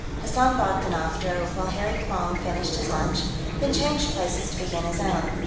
Hassan Bogdanoff drove while Harry Quong finished his lunch, then changed places to begin his own.